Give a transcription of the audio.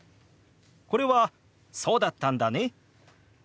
これは「そうだったんだね」